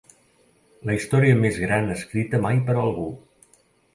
La història més gran escrita mai per algú.